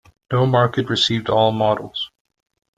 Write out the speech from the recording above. No market received all models.